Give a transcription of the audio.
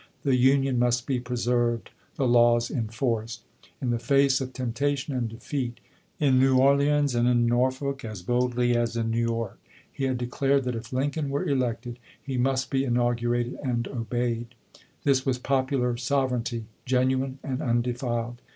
The Union must be preserved, the laws enforced. In the face of temptation and defeat, in New Orleans and in Norfolk as boldly as in New York, he had declared that if Lincoln were elected he must be inaugu rated and obeyed. This was popular sovereignty, genuine and undefiled.